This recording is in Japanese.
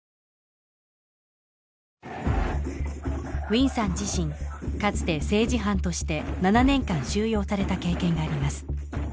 ウィンさん自身かつて政治犯として７年間収容された経験があります